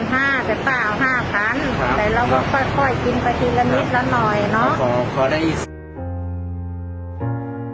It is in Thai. เดี๋ยวเราก็ค่อยกินไปทีละนิดละหน่อยเนาะ